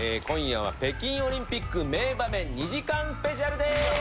今夜は北京オリンピック名場面２時間スペシャルです。